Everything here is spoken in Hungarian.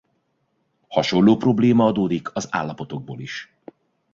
Hasonló probléma adódik az állapotokból is.